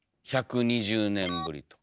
１２０年ぶりと。